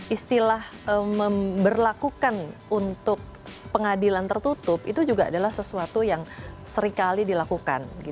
istilah memperlakukan untuk pengadilan tertutup itu juga adalah sesuatu yang seringkali dilakukan